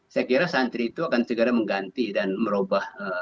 saya kira santri itu akan segera mengganti dan merubah